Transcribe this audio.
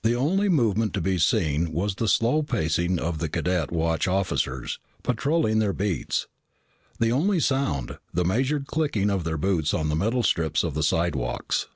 The only movement to be seen was the slow pacing of the cadet watch officers, patrolling their beats; the only sound, the measured clicking of their boots on the metal strips of the slidewalks.